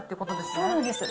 そうなんです。